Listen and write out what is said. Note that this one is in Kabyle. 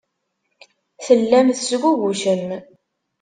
Tellam tesgugucem.